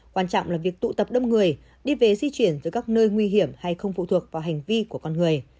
quan trọng là việc tụ tập đông người đi về di chuyển tới các nơi nguy hiểm hay không phụ thuộc vào hành vi của con người